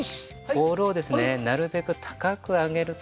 ボールをですねなるべく高く上げると。